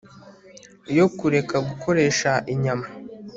yo Kureka Gukoresha Inyama